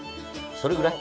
それぐらい？